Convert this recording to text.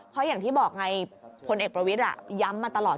เพราะอย่างที่บอกไงพลเอกประวิทย้ำมาตลอด